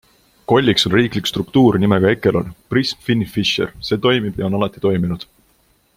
Kolliks on riiklik struktuur nimega ECHELON, PRISM, FINFISHER - see toimib ja on alati toiminud.